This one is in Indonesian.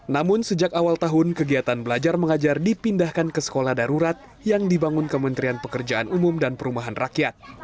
namun sejak awal tahun kegiatan belajar mengajar dipindahkan ke sekolah darurat yang dibangun kementerian pekerjaan umum dan perumahan rakyat